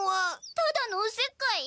ただのおせっかい？